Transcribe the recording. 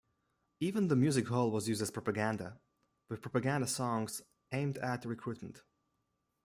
Even the Music Hall was used as propaganda, with propaganda songs aimed at recruitment.